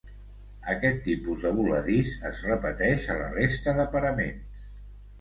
Aquest tipus de voladís es repeteix a la resta de paraments.